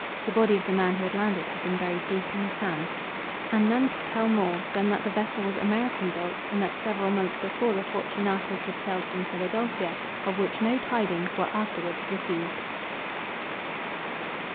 The body of the man who had landed, had been buried deep in the sands; and none could tell more, than that the vessel was American built, and that several months before the Fortunatas had sailed from Philadelphia, of which no tidings were afterwards received.